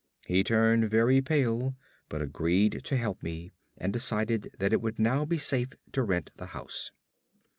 He turned very pale, but agreed to help me, and decided that it would now be safe to rent the house.